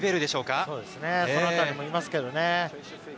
このあたりもいますけどね。